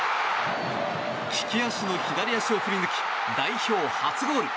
利き足の左足を振り抜き代表初ゴール！